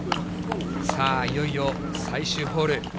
さあ、いよいよ最終ホール。